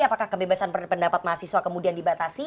apakah kebebasan pendapat mahasiswa kemudian dibatasi